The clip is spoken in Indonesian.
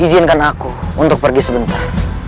izinkan aku untuk pergi sebentar